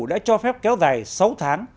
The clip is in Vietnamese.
đã cho phép kéo dài sáu tháng